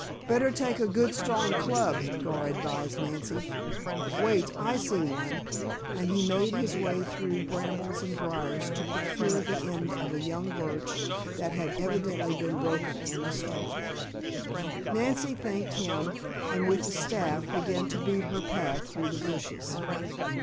"Better take a good, strong club," Gar advised Nancy. "Wait, I see one," and he made his way through brambles and briars to procure the end of a young birch that had evidently been broken in a storm. Nancy thanked him, and with the staff began to beat her path through the bushes.